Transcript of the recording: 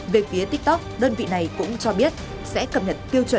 về phía tiktok đơn vị này cũng cho biết sẽ cập nhật tiêu chuẩn